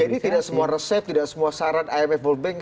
jadi tidak semua resep tidak semua syarat imf world bank